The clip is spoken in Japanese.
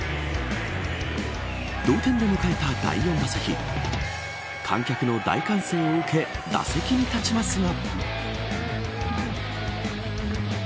同点で迎えた第４打席観客の大歓声を受け打席に立ちますが。